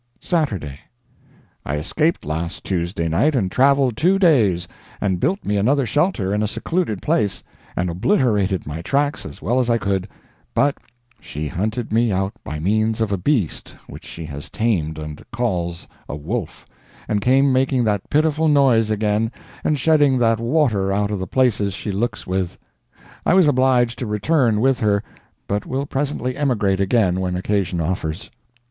SATURDAY. I escaped last Tuesday night, and traveled two days, and built me another shelter in a secluded place, and obliterated my tracks as well as I could, but she hunted me out by means of a beast which she has tamed and calls a wolf, and came making that pitiful noise again, and shedding that water out of the places she looks with. I was obliged to return with her, but will presently emigrate again when occasion offers.